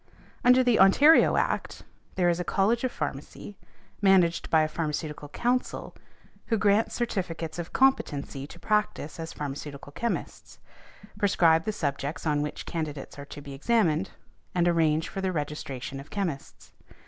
Under the Ontario Act there is a College of Pharmacy, managed by a Pharmaceutical Council who grant certificates of competency to practise as pharmaceutical chemists, prescribe the subjects on which candidates are to be |176| examined, and arrange for the registration of chemists.